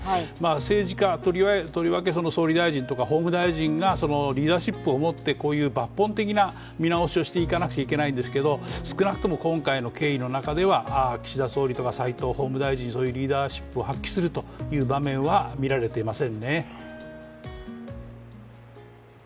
政治家、とりわけ総理大臣とか法務大臣とかがそのリーダーシップを持って抜本的な見直しをしなくちゃいけないんですけれども少なくとも今回の経緯の中では岸田総理とか斎藤法務大臣、そういうリーダーシップを発揮するという場面は見られていません。